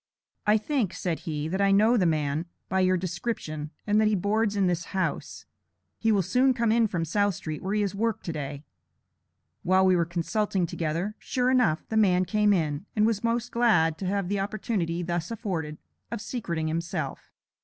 "I think," said he, "that I know the man, by your description, and that he boards in this house. He will soon come in from South Street, where he has worked to day." While we were consulting together, sure enough, the man came in, and was most glad to have the opportunity thus afforded, of secreting himself.